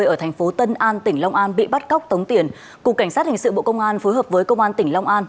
ở thành phố tân an tỉnh long an bị bắt cóc tống tiền cục cảnh sát hình sự bộ công an phối hợp với công an tỉnh long an